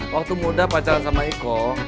waktu muda pacaran sama iko